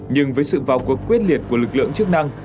nhưng với sự vào cuộc quyết liệt của lực lượng chức năng